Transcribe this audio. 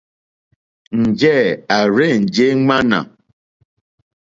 Njɛ̂ à rzênjé ŋmánà.